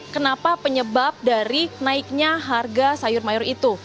kenapa penyebab dari naiknya harga sayur mayur itu